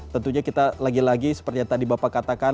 tentunya kita lagi lagi seperti yang tadi bapak katakan